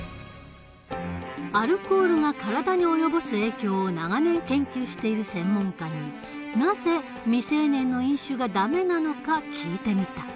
アルコールが体に及ぼす影響を長年研究している専門家になぜ未成年の飲酒がダメなのか聞いてみた。